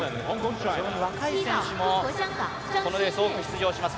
非常に若い選手もこのレース、多く出場します。